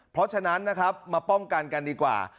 เพราะฉะนั้นนะครับมาป้องกันกันดีกว่า